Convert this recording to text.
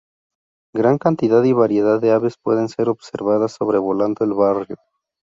Gran cantidad y variedad de aves pueden ser observadas sobrevolando el barrio.